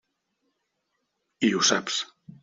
I ho saps.